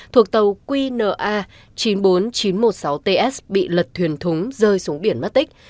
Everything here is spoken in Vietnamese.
thuộc tàu qna chín mươi bốn nghìn chín trăm một mươi sáu ts bị lật thuyền thúng rơi xuống biển mất tích